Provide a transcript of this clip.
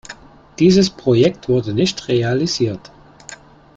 Dieses Projekt wurde nicht realisiert.